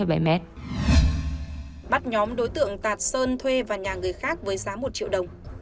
bắt nhóm đối tượng tạt sơn thuê vào nhà người khác với giá một triệu đồng